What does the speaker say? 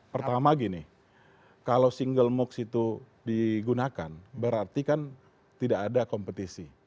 pertama gini kalau single moocs itu digunakan berarti kan tidak ada kompetisi